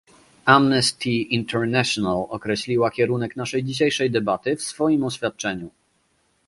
Amnesty International określiła kierunek naszej dzisiejszej debaty w swoim oświadczeniu